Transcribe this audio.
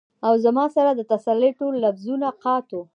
او زما سره د تسلۍ ټول لفظونه قات وو ـ